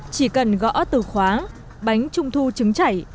chỉ cần gõ từ khoáng bánh trung thu trứng chảy